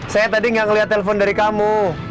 saya tadi gak ngeliat telepon dari kamu